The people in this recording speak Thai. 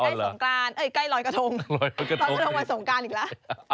ใกล้สงการเอ้ยใกล้รอยกระทงรอยกระทงรอยสงการอีกแล้ว